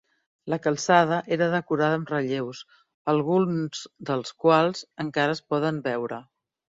La calçada era decorada amb relleus, alguns dels quals encara es poden veure.